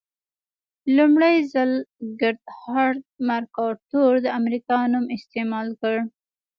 لومړي ځل ګردهارد مرکاتور د امریکا نوم استعمال کړ.